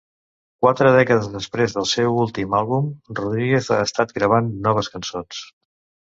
Quatre dècades després del seu últim àlbum, Rodríguez ha estat gravant noves cançons.